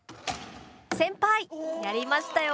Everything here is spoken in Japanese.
先輩やりましたよ！